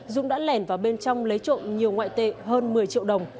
dung đã lẻn vào bên trong lấy trộm nhiều ngoại tệ hơn một mươi triệu đồng